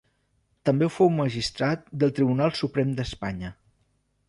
També fou magistrat del Tribunal Suprem d'Espanya.